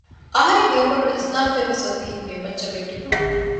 އަހަރެން ގެންގުޅުނު އިސްލާމް ފޮތްވެސް އޮތީ ބިންމައްޗަށް ވެއްތިފަ